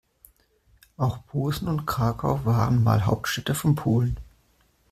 Auch Posen und Krakau waren mal Hauptstädte von Polen.